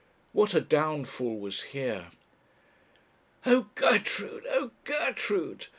What a downfall was here! 'Oh, Gertrude! oh, Gertrude!'